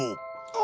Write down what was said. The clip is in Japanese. あ！